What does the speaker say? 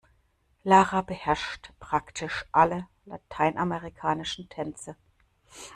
Lara beherrscht praktisch alle lateinamerikanischen Tänze.